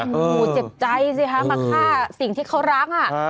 โอ้โหเจ็บใจสิคะมาฆ่าสิ่งที่เขารัก